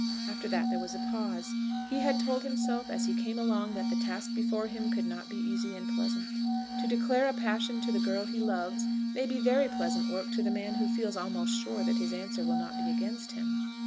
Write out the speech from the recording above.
After that there was a pause. He had told himself as he came along that the task before him could not be easy and pleasant. To declare a passion to the girl he loves may be very pleasant work to the man who feels almost sure that his answer will not be against him.